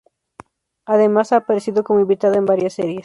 Además, ha aparecido como invitada en varias series.